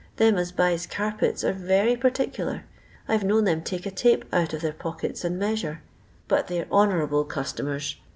Them as buys carpet are very particular — I 've known them take a tape out of their pockets and measure— but they're honourable customers.